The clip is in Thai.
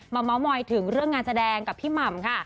เมาส์มอยถึงเรื่องงานแสดงกับพี่หม่ำค่ะ